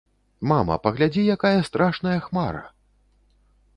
Мама, паглядзі, якая страшная хмара!